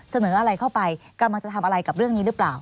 เสนออะไรเข้าไปกำลังจะทำอะไรกับเรื่องนี้หรือเปล่า